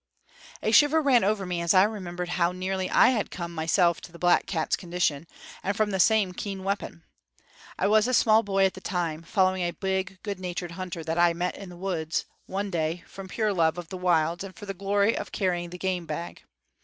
A shiver ran over me as I remembered how nearly I had once come myself to the black cat's condition, and from the same keen weapon. I was a small boy at the time, following a big, good natured hunter that I met in the woods, one day, from pure love of the wilds and for the glory of carrying the game bag.